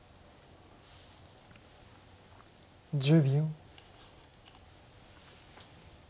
１０秒。